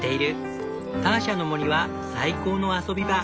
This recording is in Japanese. ターシャの森は最高の遊び場。